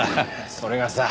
それがさ